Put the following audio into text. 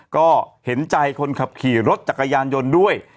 ก็เห็นใจคนขับขี่รถจักรยานยนต์ด้วย